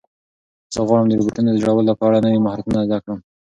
زه غواړم د روبوټونو د جوړولو په اړه نوي مهارتونه زده کړم.